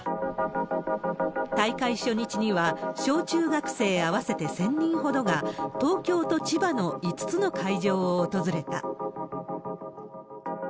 大会初日には、小中学生合わせて１０００人ほどが、東京と千葉の５つの会場を訪れた。